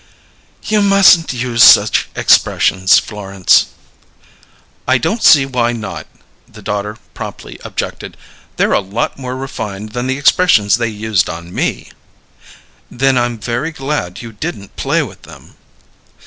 "You mustn't use such expressions, Florence." "I don't see why not," the daughter promptly objected. "They're a lot more refined than the expressions they used on me!" "Then I'm very glad you didn't play with them."